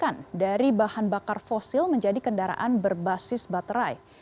dan dikasihkan dari bahan bakar fosil menjadi kendaraan berbasis baterai